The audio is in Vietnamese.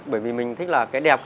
bởi vì mình thích là cái đẹp